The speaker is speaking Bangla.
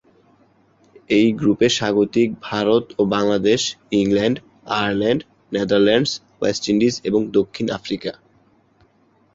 এই গ্রুপে স্বাগতিক ভারত ও Bangladesh, England, Ireland, Netherlands, West Indies এবং দক্ষিণ আফ্রিকা।